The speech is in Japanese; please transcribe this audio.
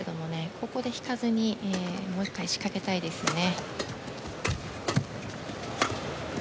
ここで引かずに、もう１回仕掛けたいですね。